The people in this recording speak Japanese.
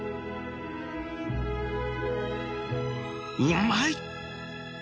うまい！